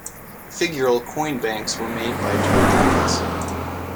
Figural coin banks were made by Toy Dreams.